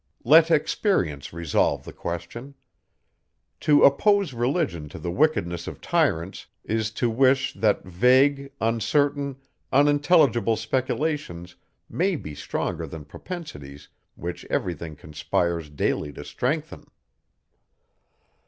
Let experience resolve the question. To oppose Religion to the wickedness of tyrants, is to wish, that vague, uncertain, unintelligible speculations may be stronger than propensities which every thing conspires daily to strengthen.